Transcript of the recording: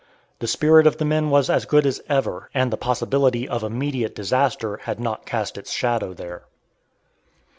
The spirit of the men was as good as ever, and the possibility of immediate disaster had not cast its shadow there.